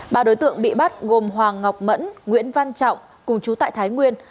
ba đối tượng bị bắt gồm hoàng ngọc mẫn nguyễn văn trọng cùng chú tại thái nguyên